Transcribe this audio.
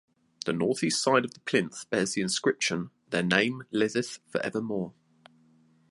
The northeast side of the plinth bears the inscription "Their name liveth for evermore".